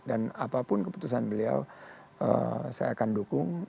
dan apapun keputusan beliau saya akan dukung